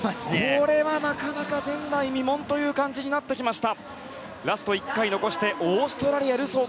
これはなかなか前代未聞という感じになってきました。